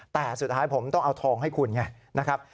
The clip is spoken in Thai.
แต่สุดท้ายผมต้องเอาทองให้คุณไงนะครับ